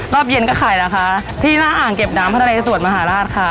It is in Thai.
รอบเย็นก็ขายแล้วค่ะที่น้าอ่างเก็บน้ำพระนัยสวรรค์มหาลาศค่ะ